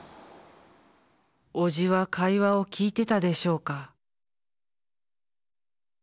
おじは会話を聞いてたでしょうか３．１。